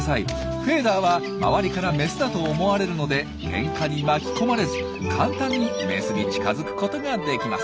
フェーダーは周りからメスだと思われるのでけんかに巻き込まれず簡単にメスに近づくことができます。